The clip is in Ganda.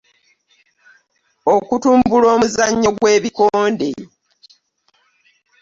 Okutumbula omuzannyo gwe bikonde.